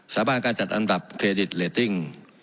สาบานการจัดอันดับเครดิตเรตติ้ง